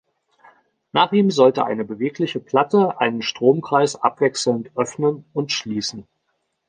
Nach ihm sollte eine bewegliche Platte einen Stromkreis abwechselnd öffnen und schließen.